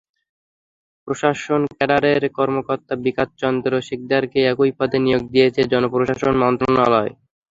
প্রশাসন ক্যাডারের কর্মকর্তা বিকাশ চন্দ্র সিকদারকে একই পদে নিয়োগ দিয়েছে জনপ্রশাসন মন্ত্রণালয়।